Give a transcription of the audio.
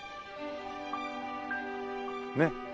ねっ。